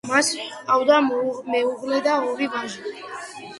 მას ჰყავდა მეუღლე და ორი ვაჟი.